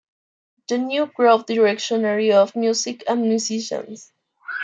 The New Grove Dictionary of Music and Musicians.